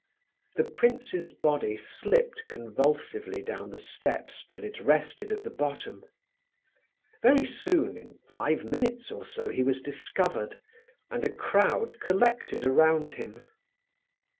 The prince's body slipped convulsively down the steps till it rested at the bottom. Very soon, in five minutes or so, he was discovered, and a crowd collected around him.